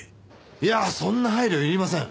いやそんな配慮いりません。